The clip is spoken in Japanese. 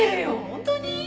本当に？